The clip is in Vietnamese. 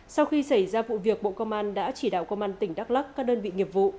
sau khi xảy ra vụ việc bộ công an đã chỉ đạo công an tỉnh đắk lắc các đơn vị nghiệp vụ